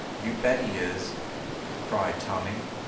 "You bet he is!" cried Tommy.